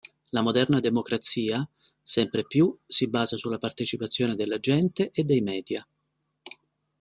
La moderna democrazia sempre più si basa sulla partecipazione della gente e dei media.